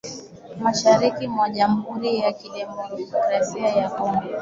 mashariki mwa jamhuri ya kidemokrasia ya Kongo